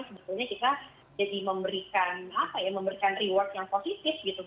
sebetulnya kita jadi memberikan apa ya memberikan reward yang positif gitu